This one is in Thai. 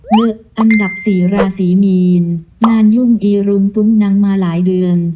อันดับ๔ราศีมีนงานยุ่งอีรุงตุ้งนังมาหลายเดือน